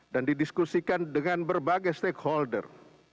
dan didiskusikan dengan berbagai stakeholder